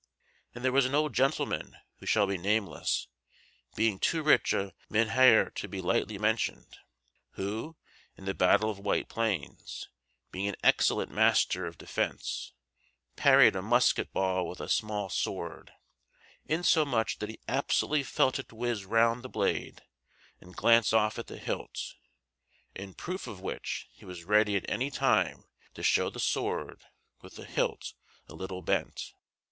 And there was an old gentleman who shall be nameless, being too rich a mynheer to be lightly mentioned, who, in the battle of Whiteplains, being an excellent master of defence, parried a musket ball with a small sword, insomuch that he absolutely felt it whiz round the blade and glance off at the hilt: in proof of which he was ready at any time to show the sword, with the hilt a little bent.